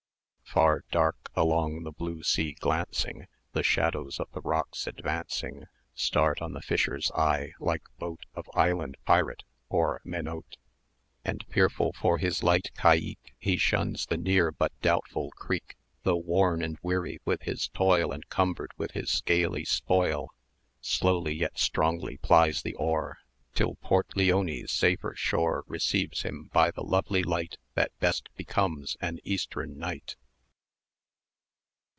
Far, dark, along the blue sea glancing, The shadows of the rocks advancing Start on the fisher's eye like boat 170 Of island pirate or Mainote; And fearful for his light caïque, He shuns the near but doubtful creek:[ct] Though worn and weary with his toil, And cumbered with his scaly spoil, Slowly, yet strongly, plies the oar, Till Port Leone's safer shore Receives him by the lovely light That best becomes an Eastern night.